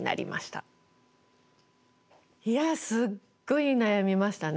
いやすっごい悩みましたね